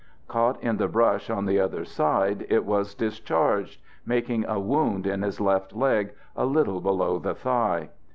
Caught in the brush on the other side, it was discharged, making a wound in his left leg a little below the thigh.